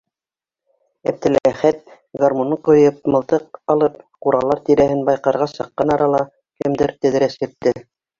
Әптеләхәт, гармунын ҡуйып, мылтыҡ алып, ҡуралар тирәһен байҡарға сыҡҡан арала кемдер тәҙрә сиртте.